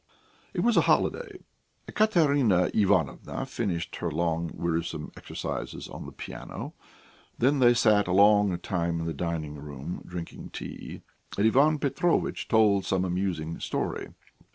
It was a holiday. Ekaterina Ivanovna finished her long, wearisome exercises on the piano. Then they sat a long time in the dining room, drinking tea, and Ivan Petrovitch told some amusing story.